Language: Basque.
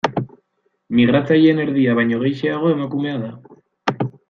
Migratzaileen erdia baino gehixeago emakumea da.